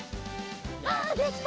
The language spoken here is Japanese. はあできた！